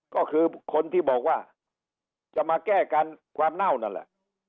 ก็คือคนที่บอกว่าจะมาแก้กันความเน่านั่นแหละ